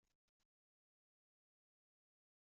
Is tessend ma ɣef tseqsad dɣi?